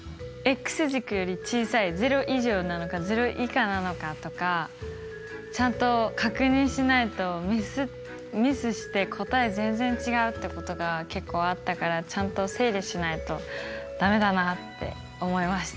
軸より小さい０以上なのか０以下なのかとかちゃんと確認しないとミスして答え全然違うってことが結構あったからちゃんと整理しないと駄目だなって思いました。